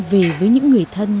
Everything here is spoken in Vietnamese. về với những người thân